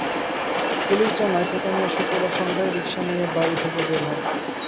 Police জানায়, তোতা মিয়া শুক্রবার সন্ধ্যায় রিকশা নিয়ে বাড়ি থেকে বের হন।